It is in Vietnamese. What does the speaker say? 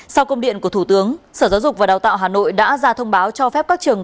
sau công điện của thủ tướng sở giáo dục và đào tạo hà nội đã ra thông báo cho phép các trường